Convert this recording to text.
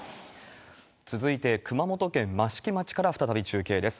続いて、熊本県益城町から再び中継です。